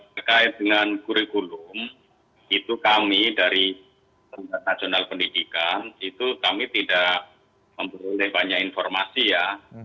berkait dengan kurikulum itu kami dari nasional pendidikan itu kami tidak memperoleh banyak informasi ya